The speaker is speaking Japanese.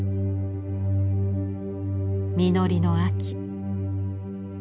実りの秋。